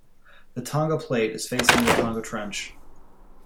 The Tonga Plate is facing the Tonga Trench.